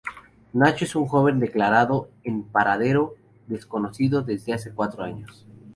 Nacho es un joven declarado en paradero desconocido desde hace cuatro años.